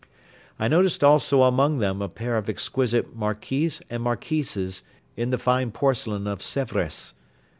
I noticed also among them a pair of exquisite Marquis and Marquises in the fine porcelain of Sevres.